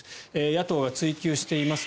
野党が追及しています。